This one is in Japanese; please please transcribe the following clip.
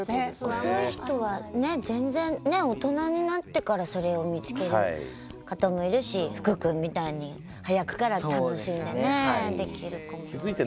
遅い人は全然、大人になってからそれを見つける方もいるし福君みたいに早くから楽しんでね、できる子もいて。